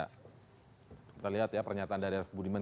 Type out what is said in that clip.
kita lihat ya pernyataan dari arief budiman